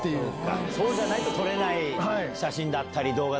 そうじゃないと撮れない写真だったり動画。